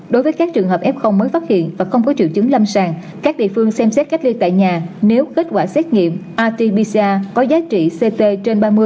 đối với các trường hợp f mới phát hiện và không có triệu chứng lâm sàng các địa phương xem xét cách ly tại nhà nếu kết quả xét nghiệm atbc có giá trị ct trên ba mươi